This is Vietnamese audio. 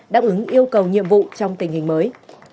đáp ứng yêu cầu nhiệm vụ trong tình hình mới